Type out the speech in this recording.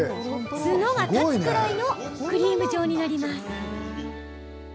角が立つくらいのクリーム状になります。